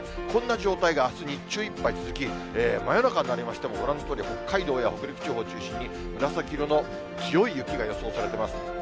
こんな状態があす日中いっぱい続き、真夜中になりましてもご覧のとおり、北海道や北陸地方を中心に、紫色の強い雪が予想されてます。